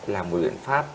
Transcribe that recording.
là một biện pháp